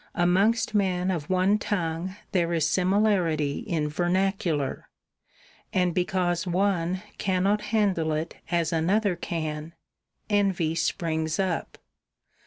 Amongst men of one tongue there is similarity in vernacular ; and because one cannot handle it as another can, envy springs up.